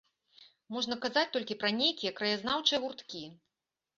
Можна казаць толькі пра нейкія краязнаўчыя гурткі.